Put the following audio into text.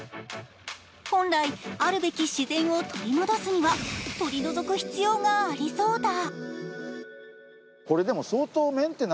本来あるべき自然を取り戻すには取り除く必要がありそうだ。